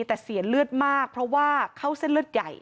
แต่เสียเลือดมากเพราะว่าเข้าเส้นเลือดใหญ่